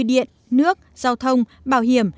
điện nước giao thông bảo hiểm